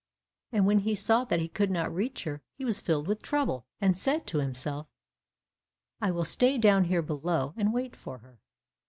And when he saw that he could not reach her, he was filled with trouble, and said to himself, "I will stay down here below, and wait for her."